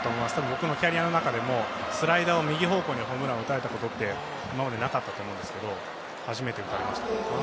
僕のキャリアの中でもスライダーを右方向にホームランを打たれたことって今までなかったと思うんですけど初めて打たれました。